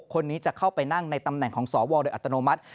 คนนี้จะเข้าไปนั่งในตำแหน่งของสวโดยอัตโนมัติ